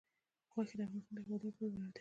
غوښې د افغانستان د هیوادوالو لپاره ویاړ دی.